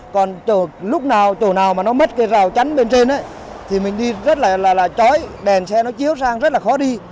còn chỗ nào mà nó mất cây rào chắn bên trên thì mình đi rất là chói đèn xe nó chiếu sang rất là khó đi